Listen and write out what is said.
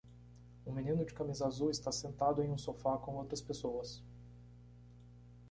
Um menino de camisa azul está sentado em um sofá com outras pessoas.